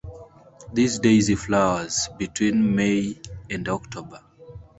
This daisy flowers between May and October.